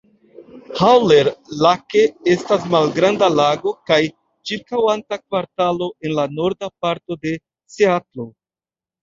Haller Lake estas malgranda lago kaj ĉirkaŭanta kvartalo en la norda parto de Seatlo.